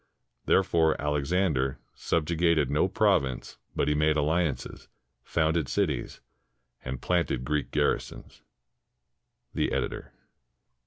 Therefore Alexander "subjugated no province, but he made alliances, founded cities, and planted Greek garrisons." The Editor.